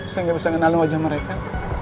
saya gak bisa ngenalin wajah mereka